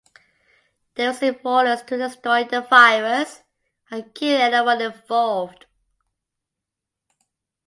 They receive orders to destroy the virus and kill anyone involved.